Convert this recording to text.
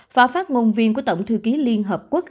và phát ngôn viên của tổng thư ký liên hợp quốc